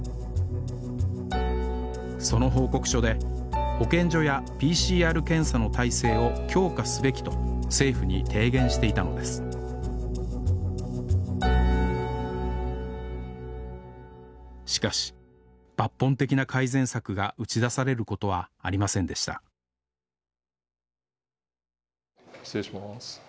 その報告書で保健所やＰＣＲ検査の体制を強化すべきと政府に提言していたのですしかし抜本的な改善策が打ち出されることはありませんでした失礼します。